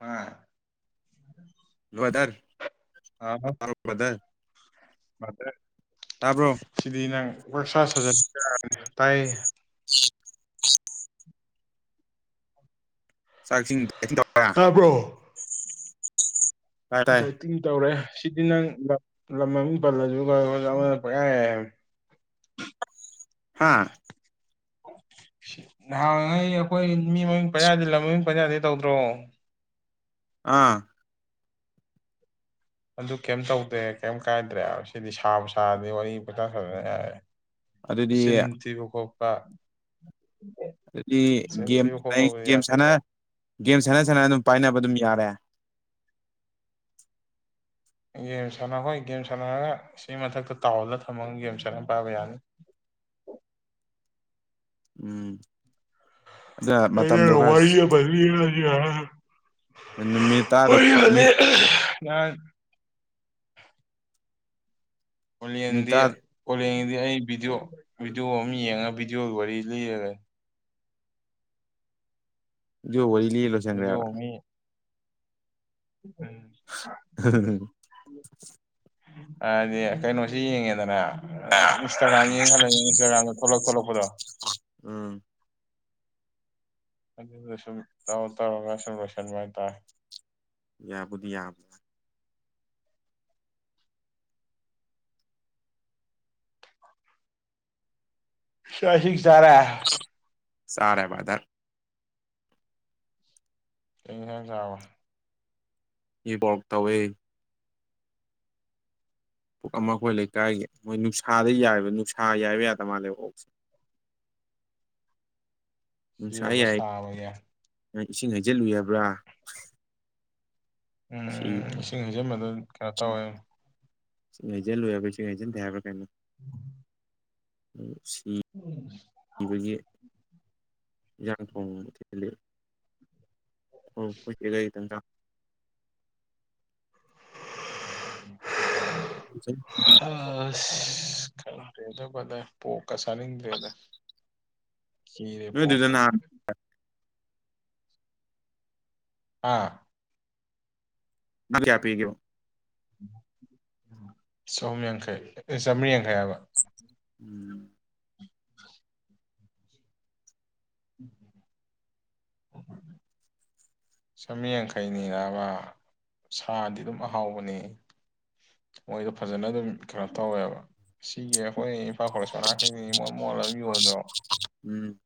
ꯃꯉꯥꯜ [inaudible] ꯕꯔꯗꯔ ꯇꯥꯕꯣ ꯕꯔꯗꯔ [inaudible] ꯁꯤꯗꯤ ꯅꯪ [inaudible] ꯁꯥꯖꯔ ꯇꯥꯏꯌꯦ ꯌꯦ ꯑꯩꯕꯨ [inaudible] [inaudible] ꯇꯥꯕ꯭ꯔꯣ ꯇꯥꯏ ꯇꯥꯏ ꯗꯥꯏꯇꯤꯡ ꯇꯧꯔꯦ ꯁꯤꯗꯤ ꯅꯪ ꯂꯝ ꯃꯃꯤꯡ ꯄꯜꯂꯁꯨ ꯈꯜꯂ [inaudible] ꯑꯃꯅ ꯄꯪ ꯌꯥ ꯌꯥꯏ ꯍꯥꯏꯕꯅꯦ ꯍꯥꯥ [unintelligible] ꯅꯍꯥꯡꯉꯩ ꯑꯩꯈꯣꯏ ꯃꯤ ꯃꯃꯤꯡ ꯄꯥꯜ ꯌꯥꯗꯦ ꯂꯝ ꯃꯃꯤꯡ ꯄꯟ ꯌꯥꯗꯦ ꯇꯧꯗ꯭ꯔꯣ ꯑꯥ ꯑꯗꯨ ꯀꯩꯝ ꯇꯧꯗꯦ ꯀꯩꯝ ꯀꯥꯏꯗ꯭ꯔꯦ ꯁꯤꯗꯤ ꯁꯥꯕ ꯁꯥꯔꯗꯤ ꯋꯥꯔꯤ ꯄꯪꯁꯥ ꯁꯥꯖꯟ ꯌꯥꯔꯦ ꯆꯤꯟ ꯑꯗꯨꯗꯤ ꯊꯤꯕ ꯈꯣꯠꯄ ꯑꯗꯨꯗꯤ ꯆꯤꯟ ꯒꯦꯝ ꯊꯤꯕ ꯈꯣꯠꯄꯕꯨꯗꯤ ꯒꯦꯝ ꯁꯥꯟꯅ ꯌꯥꯗꯦꯀꯣ ꯒꯦꯝ ꯁꯥꯟꯅ ꯁꯥꯟꯅ ꯑꯗꯨꯝ ꯄꯥꯏꯅꯕ ꯑꯗꯨꯝ ꯌꯥꯔꯦ ꯒꯦꯝ ꯁꯥꯟꯅ ꯍꯣꯏ ꯒꯦꯝ ꯁꯥꯟꯅꯔꯒ ꯁꯤ ꯃꯊꯛꯇ ꯇꯥꯎꯗ ꯊꯝꯃꯒ ꯒꯦꯝ ꯆꯪꯉ ꯄꯥꯢꯕ ꯌꯥꯔꯦ ꯎꯝ ꯑꯗꯨꯅ ꯑꯩꯅ ꯃꯇꯝꯗꯣ ꯈꯔ ꯋꯥꯔꯤ ꯑꯃ ꯂꯤꯔꯖꯤꯔꯥꯅ [inaudible] ꯅꯨꯃꯤꯠ ꯇꯔꯥꯗꯣ ꯃꯤꯠ [inaudible] ꯃꯤꯅꯤꯠ ꯑꯣꯂꯦꯟꯗꯤ ꯇꯔꯥꯗꯨ ꯑꯣꯂꯦꯟꯒꯤꯗꯤ ꯑꯩ ꯚꯤꯗꯤꯑꯣ ꯚꯤꯗꯤꯑꯣ ꯑꯃ ꯌꯦꯡꯉ ꯚꯤꯗꯤꯑꯣꯒꯤ ꯋꯥꯔꯤ ꯂꯤꯔ ꯂꯩ ꯚꯤꯗꯤꯑꯣ ꯋꯥꯔꯤ ꯂꯤꯔ ꯕꯤꯗꯤꯑꯣ ꯃꯤ ꯎꯝ [inaudible] ꯍꯥꯏꯗꯤ ꯀꯩꯅꯣꯁꯤ ꯌꯦꯡꯉꯦꯗꯅ ꯑ ꯏꯟꯁꯇꯥꯒ꯭ꯔꯥꯝ ꯌꯦꯡꯉꯂꯩ ꯏꯟꯁꯇꯥꯒ꯭ꯔꯥꯝꯗ ꯊꯣꯛꯂꯛ ꯊꯣꯛꯂꯛꯄꯗꯣ꯫ ꯎꯝ ꯑꯗꯨꯒ ꯁꯨꯝ ꯇꯧꯔ ꯇꯧꯔꯒ ꯁꯨꯝ ꯂꯣꯏꯁꯟꯕ ꯍꯥꯏꯇꯥꯔꯦ꯫ ꯌꯥꯕꯨꯗꯤ ꯌꯥꯕꯅꯦ ꯆꯥꯛ ꯏꯁꯤꯡ ꯆꯥꯔꯦ꯫ ꯆꯥꯔꯦ ꯕꯥꯔꯗ꯭ꯔ ꯀꯔꯤ ꯏꯟꯁꯥꯡ ꯆꯥꯔꯕ ꯏꯄ꯭ꯔꯣꯛ ꯇꯧꯋꯦ꯫ ꯑꯣꯛ ꯑꯃ ꯑꯩꯈꯣꯏ ꯂꯩꯀꯥꯏꯒꯤ ꯃꯣꯏ ꯅꯨꯡꯁꯥꯗ ꯌꯥꯏꯕ ꯅꯨꯡꯁꯥ ꯌꯥꯏꯕ ꯌꯥꯗ ꯃꯥꯜꯂꯦꯕ ꯑꯣꯛꯁꯦ꯫ ꯅꯨꯡꯁꯥ ꯁꯤꯔꯕ ꯁꯥꯕꯒꯤ ꯌꯥꯢꯅ ꯏꯁꯤꯡ ꯍꯩꯖꯤꯜꯂꯨꯏ ꯍꯥꯏꯕ꯭ꯔꯥ ꯁꯤ ꯎꯝ ꯏꯁꯤꯡ ꯍꯩꯖꯤꯟꯕꯗꯣ ꯀꯩꯅꯣ ꯇꯧꯋꯦ ꯏꯁꯤꯡ ꯍꯩꯖꯜꯂꯨꯏ ꯍꯥꯏꯕ꯭ꯔꯥ ꯏꯁꯤꯡ ꯍꯩꯖꯟꯗꯦ ꯍꯥꯏꯕ꯭ꯔꯥ ꯀꯩꯅꯣ [unintelligible] ꯑꯣ ꯁꯤ [inaudible] ꯎꯝ ꯁꯤꯕꯒꯤ ꯏꯟꯖꯥꯡ ꯊꯣꯡꯉꯒ ꯊꯤꯜꯂꯛꯌꯦ [unintelligible] [inaudible] ꯑꯁ ꯈꯪꯗ꯭ꯔꯦꯗ ꯕꯥꯔꯗ꯭ꯔ ꯄꯣꯛꯀ ꯆꯥꯅꯤꯡꯗ꯭ꯔꯦꯗ꯫ ꯀꯤꯔꯦ ꯅꯣꯏ ꯑꯗꯨꯗ ꯄꯣꯛꯀ ꯅꯍꯥꯟ ꯍꯥ [inaudible] ꯀꯌꯥ ꯄꯤꯒꯦꯕ ꯆꯍꯨꯝ ꯌꯥꯡꯈꯩ ꯑꯦ ꯆꯥꯝꯃꯔꯤ ꯌꯥꯡꯈꯩ ꯍꯥꯏꯕ꯫ ꯎꯝ [unintelligible] [unintelligible] ꯆꯥꯝꯃꯔꯤ ꯌꯥꯡꯈꯩꯅꯤꯅꯕ ꯁꯥꯗꯤ ꯑꯗꯨꯝ ꯑꯍꯥꯎꯕꯅꯦ꯫ ꯃꯣꯏꯗꯣ ꯐꯖꯅ ꯑꯗꯨꯝ ꯀꯩꯅꯣ ꯇꯧꯋꯦꯕ ꯁꯤꯒꯤ ꯑꯩꯈꯣꯏ ꯏꯝꯐꯥꯜ ꯀꯣꯂꯦꯖ ꯃꯅꯥꯛꯇꯗꯤ ꯏꯃꯣꯠ ꯃꯣꯠꯂ ꯑꯗꯨꯝ ꯌꯣꯟꯗ꯭ꯔꯣ꯫ ꯎꯝ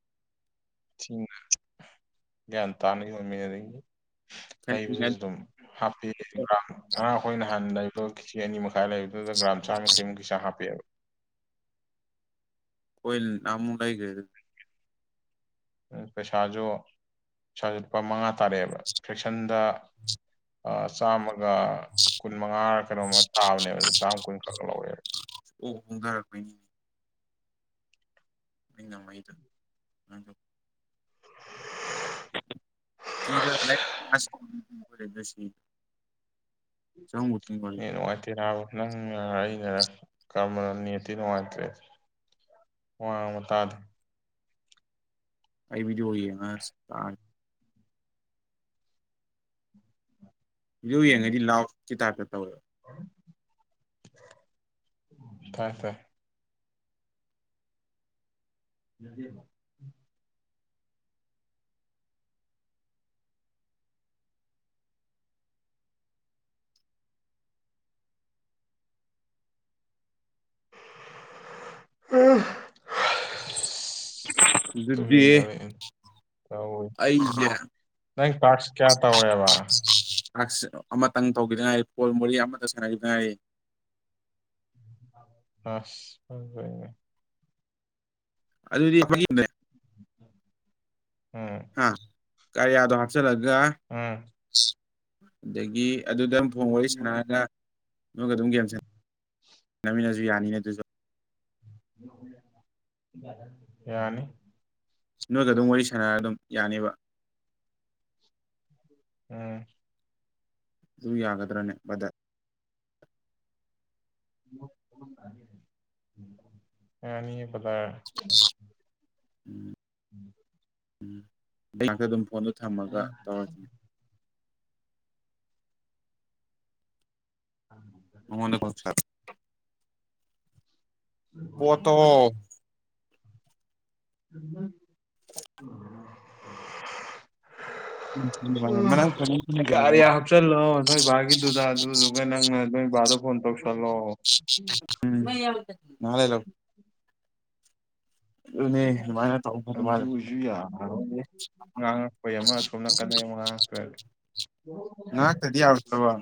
ꯁꯤꯅ ꯒ꯭ꯌꯥꯟ ꯇꯥꯅ ꯌꯣꯟꯃꯤꯅꯔꯤ ꯂꯩꯕꯗꯖꯨ ꯑꯩꯈꯣꯏ ꯑꯗꯨꯝ ꯍꯥꯞꯄꯦ ꯉꯔꯥꯡ ꯉꯔꯥꯡ ꯑꯩꯈꯣꯏ ꯅꯍꯥꯟ ꯂꯩ ꯑꯗꯣ ꯀꯦꯖꯤ ꯑꯅꯤ ꯃꯈꯥꯏ ꯂꯩꯕꯗꯨꯗ ꯒ꯭ꯔꯥꯝ ꯆꯥꯃꯌꯥꯡꯈꯩꯃꯨꯛꯀꯤ ꯆꯥꯡ ꯍꯥꯞꯄꯛꯑꯦꯕ꯫ ꯍꯣꯏ ꯅꯍꯥꯟꯃꯨꯛ ꯂꯩꯒ꯭ꯔꯦ ꯑꯗꯨꯗꯤ ꯎꯝ ꯄꯩꯁꯥꯖꯨ ꯄꯩꯁꯥꯖꯨ ꯂꯨꯄꯥ ꯃꯉꯥ ꯇꯥꯔꯛꯑꯦꯕ ꯐ꯭ꯔꯦꯛꯁꯟꯗ ꯑ ꯆꯥꯝꯃꯒ ꯀꯨꯟꯃꯉꯥꯔ ꯀꯩꯅꯣꯃ ꯇꯥꯕꯅꯦꯕ ꯑꯗꯨ ꯆꯥꯝꯃ ꯀꯨꯟꯈꯛ ꯂꯧꯑꯦꯕ꯫ ꯑꯣꯛ ꯍꯣꯡꯗꯔꯛꯄꯩꯅꯤꯅꯦ꯫ ꯃꯤ ꯉꯝꯃꯩꯗꯣ ꯑꯗꯨꯃꯥꯏ ꯇꯧꯕ ꯀꯤꯔ ꯂꯩ ꯑꯁ ꯁꯥꯎꯅꯤꯡꯉꯦ ꯍꯣꯔꯦꯟꯗꯁꯤꯡ ꯆꯪꯉꯨꯗ‌ꯣꯏꯕ ꯅꯦꯠ ꯅꯨꯡꯉꯥꯏꯇꯦ ꯅꯥꯕ ꯅꯪꯅꯔ ꯑꯩꯩꯅꯔ ꯀꯔꯝꯕꯅꯣ ꯅꯦꯠꯇꯤ ꯅꯨꯡꯉꯥꯏꯇ꯭ꯔꯦ꯫ ꯋꯥ ꯉꯥꯡꯕ ꯇꯥꯗꯦ꯫ ꯑꯩ ꯕꯤꯗꯤꯌꯣ ꯌꯦꯡꯉ ꯇꯥꯒꯦ꯫ ꯕꯤꯗꯤꯌꯣ ꯌꯦꯡꯉꯗꯤ ꯂꯥꯎꯠꯀꯤ ꯇꯥꯏꯞꯇ ꯇꯧꯋꯦꯕ꯫ ꯇꯥꯏ ꯇꯥꯏ ꯌꯥꯗꯦꯕ ꯑꯁꯁ ꯑꯗꯨꯗꯤ ꯇꯧ ꯑꯩꯁꯦ ꯅꯪ ꯄꯥꯛꯔꯁ ꯀꯌꯥ ꯇꯧꯔꯦꯕ ꯀ꯭ꯂꯥꯛ ꯑꯃꯇꯪ ꯇꯧꯈꯤꯗꯉꯥꯏ ꯐꯣꯜ ꯃꯣꯔꯦ ꯑꯃꯗ ꯁꯥꯟꯅꯈꯤꯗꯉꯥꯏ ꯑꯁ ꯑꯗꯨꯗꯤꯪꯦ ꯎꯝ ꯍꯥ ꯀꯔꯤ ꯌꯥꯎꯗꯣ ꯍꯥꯠꯆꯂꯒ ꯎꯝ ꯑꯗꯒꯤ ꯑꯗꯨꯗ ꯐꯣꯡ ꯋꯥꯔꯤ ꯁꯥꯟꯅꯔꯒ ꯅꯣꯏꯒ ꯑꯗꯨꯝ ꯒꯦꯝ ꯁꯥꯟꯅꯃꯤꯟꯅꯁꯨ ꯌꯥꯅꯤꯅꯦ ꯑꯗꯨꯁꯨ ꯌꯥꯅꯤ ꯅꯣꯏꯒ ꯑꯗꯨꯝ ꯋꯥꯔꯤ ꯁꯥꯟꯅꯔꯒ ꯑꯗꯨꯝ ꯌꯥꯅꯦꯕ ꯎꯝ ꯑꯗꯨ ꯌꯥꯒꯗ꯭ꯔꯅꯦ ꯕꯗꯠ ꯑꯦꯅꯤ ꯄꯇꯥ ꯎꯝ ꯎꯝ ꯎꯝ ꯉꯥꯛꯇ ꯑꯗꯨꯝ ꯐꯣꯟꯗꯣ ꯊꯝꯃꯒ ꯇꯧꯔꯁꯤꯅꯦ ꯑ ꯃꯃꯗꯀꯣ ꯁꯥꯔ ꯄꯣꯠꯇꯣ ꯑꯗꯨ ꯎ ꯃꯅꯪ ꯀꯔꯤꯦ ꯍꯥ ꯆꯜ ꯂꯣꯟ ꯅꯣꯏ ꯕꯥꯒꯤꯗꯨꯗ ꯑꯗꯨꯗꯨꯒ ꯅꯪꯅ ꯅꯣꯏ ꯕꯥꯗꯣ ꯐꯣꯟ ꯇꯧꯁꯜꯂꯣ ꯃꯥ ꯂꯩ ꯂ ꯑꯗꯨꯅꯦ ꯑꯗꯨꯃꯥꯏꯅ ꯇꯧ ꯑ ꯐꯗꯧ ꯑꯗꯨ ꯃꯥꯜꯂꯦ ꯑꯩꯁꯨ ꯌꯥꯔꯣꯏꯦ ꯉꯥꯡꯉꯛꯄꯩ ꯑꯃ ꯁꯣꯝꯅꯀꯗꯩ ꯉꯥꯡꯉꯛꯇ꯭ꯔꯗꯤ ꯉꯅꯥꯥꯛꯗꯔꯗꯤ ꯌꯥꯔꯣꯏꯗꯔꯕ꯫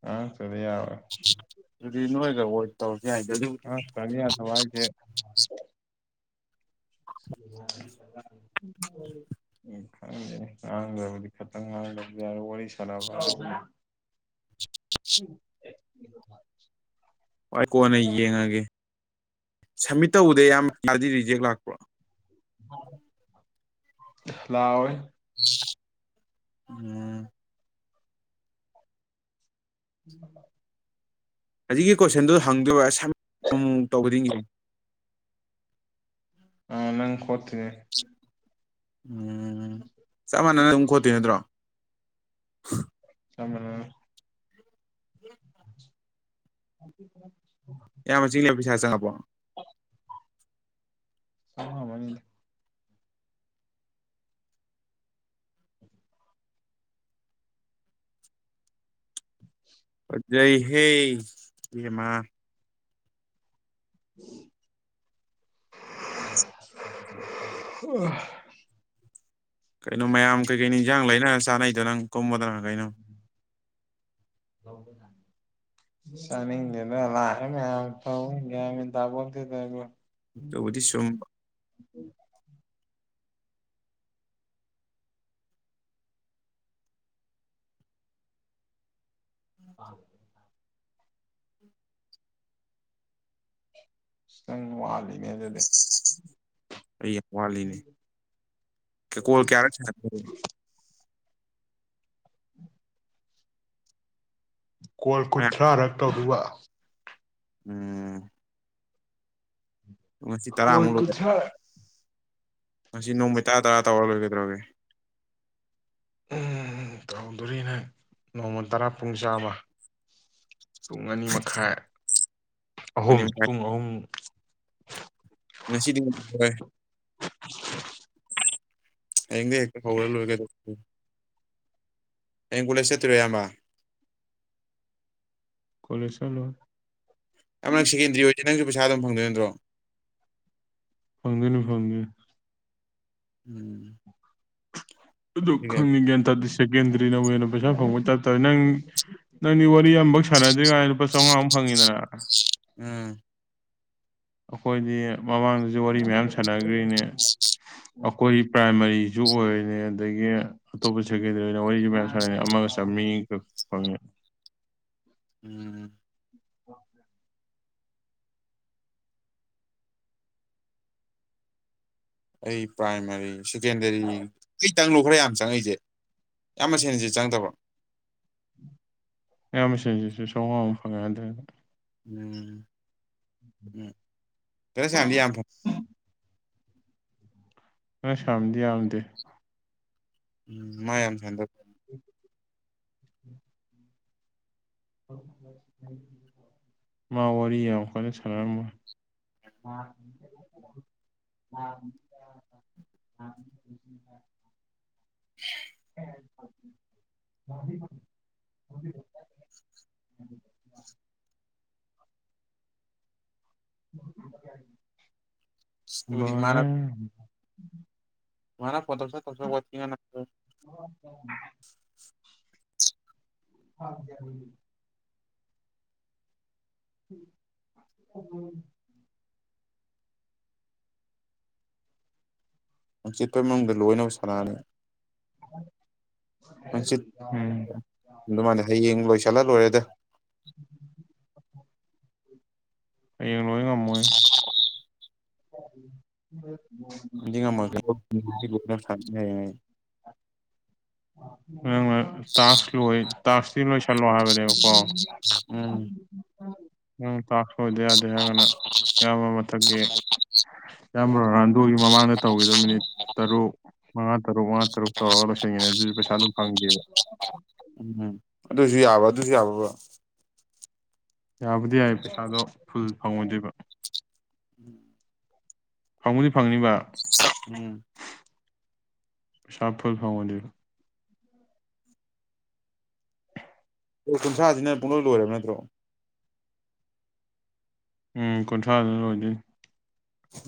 ꯉꯅꯥꯥꯛꯗꯔꯗꯤ ꯌꯥꯔꯣꯏ꯫ ꯑꯗꯨꯗꯤ ꯅꯣꯏꯒ ꯋꯣꯏꯠ ꯇꯧꯔꯁꯦ ꯍꯥꯏꯗꯦ ꯑꯗꯨꯕꯨꯗꯤ ꯀꯅꯤ ꯌꯥꯗꯕꯥ ꯍꯥꯏꯁꯦ꯫ [inaudible] ꯎꯝ ꯈꯪꯗꯦ ꯉꯥꯡꯗ꯭ꯔꯕꯗꯤ ꯈꯛꯇꯪ ꯉꯥꯡꯗꯕꯗꯤ ꯌꯥꯔꯣꯏ ꯋꯥꯔꯤꯁꯦ꯫ [unintelligible] ꯍ ꯀꯣꯟꯅ ꯌꯦꯡꯉꯒꯦ ꯁꯝꯃꯤꯠ ꯇꯧꯕꯗ ꯌꯥꯝꯌꯥꯝꯕꯗꯤ ꯔꯤꯖꯦꯛ ꯂꯥꯛꯄ꯭ꯔꯣ? ꯂꯥꯎꯑꯣꯏ꯫ ꯎꯝ [inaudible] ꯍꯧꯖꯤꯛꯀꯤ ꯀꯣꯏꯁꯟꯗꯨ ꯍꯪꯗꯣꯏꯔꯁ ꯇꯧꯈꯤꯗꯤꯡ ꯫ ꯑ ꯅꯪ ꯀꯠꯇꯦ꯫ ꯎꯝ ꯆꯞ ꯃꯥꯟꯅꯅ ꯑꯗꯨꯝ ꯈꯣꯠꯇꯦ ꯅꯠꯇ꯭ꯔꯣ? [unintelligible] [inaudible] ꯌꯥꯝꯅ ꯆꯤꯡꯂꯦ ꯄꯩꯁꯥ ꯆꯪꯉꯕꯣ꯫ ꯆꯥꯡꯂꯛꯑꯃꯅꯤ꯫ ꯐꯥꯖꯩ ꯍꯦ ꯌꯦꯃ꯫ [inaudible] ꯀꯩꯅꯣ ꯃꯌꯥꯝ ꯀꯩꯀꯩꯅꯣ ꯏꯟꯖꯥꯡ ꯂꯩꯅ ꯆꯥꯅꯩꯗ ꯅꯪ ꯀꯨꯝꯕꯗꯅ ꯀꯩꯅꯣ꯫ ꯂꯧꯕꯗ ꯁꯅꯤꯒꯦꯗ ꯂꯑ ꯑ ꯊ ꯌꯥ ꯊꯗꯥꯕꯣ ꯑꯗꯨꯕꯨꯗꯤ ꯆꯨꯝꯕꯥ꯫ [inaudible] ꯅꯪ ꯋꯥꯠꯂꯤꯅꯦ ꯑꯗꯨꯗꯤ꯫ ꯑꯩ ꯌꯥꯝ ꯋꯥꯠꯂꯤꯅꯦ ꯀꯩ ꯀꯣꯜ ꯀꯌꯥꯔꯛ ꯆꯟꯅꯈ꯭ꯔꯥꯒꯦ꯫ ꯀꯣꯜ ꯀꯨꯟꯊ꯭ꯔꯥꯔꯛ ꯇꯧꯗꯧꯕ꯫ ꯎꯝ ꯀꯣꯜꯁꯤ ꯀꯣꯜ ꯇꯔꯥꯃꯨꯛ ꯀꯨꯟꯊ꯭ꯔꯥꯔꯛ ꯉꯁꯤ ꯅꯣꯡꯃꯒꯤ ꯇꯔꯥ ꯇꯔꯥ ꯇꯧꯔ ꯂꯣꯏꯔꯦ ꯀꯩꯗ꯭ꯧꯔꯒꯦ꯫ ꯎꯝ ꯇꯧꯗꯣꯔꯤꯅꯦ ꯅꯣꯡꯃ ꯇꯔꯥ ꯄꯨꯡ ꯆꯥꯝꯃ ꯄꯨꯡ ꯑꯅꯤ ꯃꯈꯥꯏ ꯑꯍꯨꯝ ꯃꯅꯤ ꯄꯨꯡ ꯑꯍꯨꯝ꯫ ꯉꯁꯤꯗꯤ ꯉꯝꯃꯔꯣꯏ꯫ ꯍꯌꯦꯡꯗꯩ ꯍꯦꯛꯇꯥ ꯍꯧꯔ ꯂꯣꯏꯔꯦ ꯀꯩꯗꯧꯔꯒꯦ꯫ ꯍꯌꯦꯡ ꯀꯣꯂꯦꯖ ꯆꯠꯇꯔꯣꯏꯔꯣ ꯏꯌꯥꯝꯕꯥ꯫ ꯀꯣꯂꯦꯖ ꯆꯠꯂꯣꯏ꯫ ꯅꯪ ꯁꯦꯀꯦꯟꯗꯔꯤ ꯑꯣꯏꯗꯤ ꯅꯪꯁꯨꯩꯁ ꯄꯩꯁꯥ ꯑꯗꯨꯝ ꯐꯪꯗꯣꯏ ꯅ꯭ꯇ꯭ꯔꯣ꯫ ꯐꯪꯗꯣꯏꯅꯦ ꯐꯪꯗꯣꯏꯅꯦ꯫ ꯎꯝ ꯑꯗꯨ ꯈꯪꯗꯦ ꯒ꯭ꯌꯥꯟ ꯇꯥꯗꯦꯁꯦ꯫ ꯁꯦꯀꯦꯟꯗꯔꯤꯅꯕꯨ ꯍꯦꯟꯅꯥ ꯄꯩꯁꯥ ꯐꯪꯕꯩ ꯇꯥꯏꯞ ꯇꯧꯏ ꯅꯪ ꯅꯪꯗꯤ ꯋꯥꯔꯤ ꯑꯝꯐꯥꯎ ꯁꯥꯟꯅꯗ꯭ꯔꯤꯉꯩ ꯂꯨꯄꯥ ꯆꯥꯝꯃꯉꯥꯃꯨꯛ ꯐꯪꯉꯤꯗꯅ ꯑꯥ ꯑꯩꯈꯣꯏꯗꯤ ꯃꯃꯥꯡꯗꯁꯨ ꯋꯥꯔꯤ ꯃꯌꯥꯝ ꯁꯥꯟꯅꯒ꯭ꯔꯤꯅꯦ꯫ [inaudible] ꯑꯩꯈꯣꯏ ꯄ꯭ꯔꯥꯏꯃꯥꯔꯤꯁꯨ ꯑꯣꯏꯔꯤꯅꯦ ꯑꯗꯒꯤ ꯑꯇꯣꯞꯄ ꯁꯦꯀꯦꯟꯗꯔꯤꯉꯩꯅ ꯃꯣꯏꯒꯤ ꯋꯥꯔꯤꯁꯨ ꯃꯌꯥꯝ ꯑꯃꯒ ꯆꯥꯝꯔꯤꯒꯥꯛ ꯐꯪꯉꯦ꯫ ꯎꯝ [unintelligible] ꯑꯩ ꯄ꯭ꯔꯥꯏꯃꯥꯔꯤ ꯁꯦꯀꯦꯟꯗꯔꯤ ꯑꯩ ꯇꯪꯂꯣ ꯈꯔ ꯌꯥꯝ ꯆꯪꯉꯛꯏꯁꯦ ꯏꯌꯥꯝꯕ ꯁꯦꯟꯁꯦ ꯆꯪꯉꯛꯇꯕ꯭ꯔꯣ ꯑꯌꯥꯝꯕꯁꯦꯟꯁꯤꯁꯨ ꯆꯧꯉꯥꯃꯨꯛ [unintelligible] ꯎꯝ ꯎꯝ ꯒꯅꯁꯌꯥꯝꯗꯤ ꯌꯥꯝ ꯐꯪ ꯒꯅꯁꯌꯥꯝꯗꯤ ꯌꯥꯝꯗꯦ ꯎꯝ ꯃꯥ ꯌꯥꯝ [unintelligible] [unintelligible] ꯃꯥ ꯋꯥꯔꯤ ꯌꯥꯝ ꯀꯟꯅꯥ ꯁꯥꯟꯅꯔꯝꯃꯣꯏ [unintelligible] [unintelligible] [unintelligible] ꯑꯗꯨꯗꯤ ꯃꯥꯅ [unintelligible] ꯃꯥꯅ ꯐꯣꯟ ꯇꯧꯁꯤꯂꯥꯎ ꯇꯧꯁꯤꯂꯥꯎ ꯋꯥꯊꯤ ꯉꯥꯡꯅꯥ [unintelligible] [unintelligible] [unintelligible] ꯍꯪꯆꯤꯠꯐꯥꯎ ꯃꯅꯨꯡꯗ ꯂꯣꯏꯅꯕ ꯁꯥ [unintelligible] ꯍꯪꯆꯤꯠ ꯎꯝ [unintelligible] ꯍꯌꯦꯡ ꯂꯣꯏꯁꯤꯜꯂꯥ ꯂꯣꯏꯔꯦꯗ [inaudible] ꯍꯌꯦꯡ ꯂꯣꯏ ꯉꯝꯃꯣꯏ [inaudible] [unintelligible] ꯉꯝꯗꯤ ꯉꯝꯃꯣꯏ [unintelligible] [unintelligible] ꯇꯥꯛꯁ ꯂꯣꯏ ꯇꯥꯛꯁ ꯁꯤ ꯂꯣꯏꯁꯤꯜꯂꯣ ꯍꯥꯏꯕꯅꯦꯕ ꯀꯣ ꯎꯝ ꯎꯝ ꯇꯥꯛꯄ ꯂ‌ꯣꯏꯗ ꯌꯥꯗꯦ ꯍꯥꯏꯒꯅ ꯌꯥꯕ ꯃꯊꯛꯒꯤ ꯏꯌꯥꯝꯕ ꯔ‌ꯣꯅꯥꯜꯗ‌ꯣꯒꯤ ꯃꯃꯥꯡꯗ ꯇꯧꯒꯤꯗ‌ꯣ ꯃꯤꯅꯤꯠ ꯇꯔꯨꯛ ꯃꯉꯥ ꯇꯔꯨꯛ ꯃꯉꯥ ꯇꯔꯨꯛ ꯇꯧꯔꯒ ꯂꯣꯏꯁꯤꯟꯒꯅꯦ ꯑꯗꯨꯁꯨ ꯄꯩꯁꯥ ꯑꯗꯨꯝ ꯐꯪꯒꯤꯕ ꯎꯝ ꯑꯗꯨꯁꯨ ꯌꯥꯕ꯭ꯔ ꯑꯗꯨꯁꯨ ꯌꯥꯕꯔꯕꯔ ꯌꯥꯕꯨꯗꯤ ꯌꯥꯏ ꯄꯩꯁꯥꯗꯣ ꯐꯨꯜ ꯐꯪꯉ‌ꯣꯏꯗꯣꯏꯕ ꯎꯝ ꯐꯪꯕꯨꯗꯤ ꯐꯪꯅꯤꯕ ꯎꯝ ꯄꯩꯁꯥ ꯐꯨꯜ ꯐꯪꯉꯣꯏꯗꯔꯤꯕ ꯀ‌ꯣꯜ ꯀꯨꯟꯊ꯭ꯔꯥꯁꯤꯅ ꯄꯨꯡꯂꯣꯏ ꯂꯣꯏꯔꯕ ꯅꯠꯇ꯭ꯔꯣ ꯎꯝ ꯀꯨꯟꯊ꯭ꯔꯥꯗꯨꯅ ꯂꯣꯏꯗꯣꯏꯅꯤ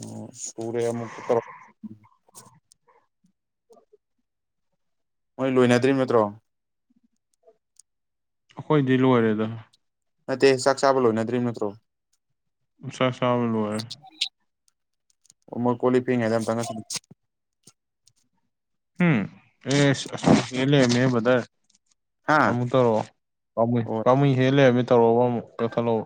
ꯑꯣ ꯁꯨꯔꯦ ꯑꯃꯨꯛꯀ ꯇꯧꯔꯛꯄꯗꯨꯅ ꯃꯣꯏ ꯂꯣꯏꯅꯗ꯭ꯔꯤꯕ ꯅꯠꯇ꯭ꯔꯣ ꯑꯈꯣꯏꯗꯤ ꯂꯣꯏꯔꯦꯗ ꯅꯠꯇꯦ ꯆꯥꯛ ꯆꯥꯕ ꯂꯣꯏꯅꯗ꯭ꯔꯤꯕ ꯅꯠꯇ꯭ꯔꯣ ꯆꯥꯛ ꯆꯥꯕ ꯂ‌ꯣꯏꯔ‌ꯦ ꯑꯣ ꯃꯣꯏ ꯀꯣꯂꯤꯛ ꯐ‌ꯦꯡꯉꯩꯗ ꯑꯇꯥꯒ ꯁꯅꯥ ꯍꯨꯝ ꯑꯦ ꯑꯖ ꯍ‌ꯦꯟ ꯂꯩꯔꯝꯃ‌ꯦ ꯕꯔꯗꯔ ꯍꯥ ꯑꯃꯨꯛ ꯇꯧꯔꯛꯑꯣ ꯄꯥꯃꯨꯏ ꯑꯣ ꯄꯥꯃꯨꯏ ꯍꯦꯟ ꯂꯩꯔꯝꯃ‌ꯦ ꯇꯧꯔꯣꯕ ꯑꯃꯨꯛ ꯀꯛꯊꯠꯂ‌ꯣꯕ